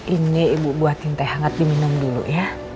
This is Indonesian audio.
ini ibu buatin teh hangat diminum dulu ya